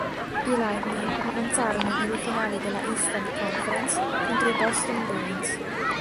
I Lightning avanzarono nelle finali della Eastern Conference contro i Boston Bruins.